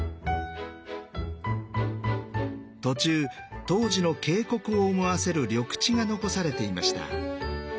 途中当時の渓谷を思わせる緑地が残されていました。